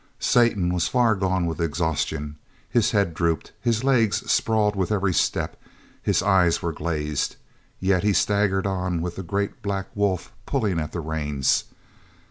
Satan was far gone with exhaustion. His head drooped; his legs sprawled with every step; his eyes were glazed. Yet he staggered on with the great black wolf pulling at the reins.